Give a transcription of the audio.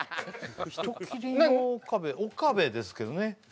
人斬りの岡部岡部ですけどね